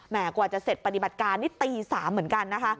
กว่าจะเสร็จปฏิบัติการนี่ตี๓เหมือนกันนะคะ